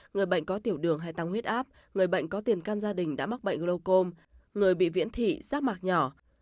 người bệnh có tiểu đường hay tăng huyết áp người bệnh có tiền căn gia đình đã mắc bệnh glocom người bị viễn thị giác mạc nhỏ